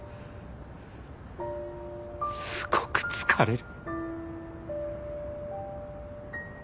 すごく疲れる。